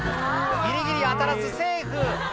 ギリギリ当たらずセーフ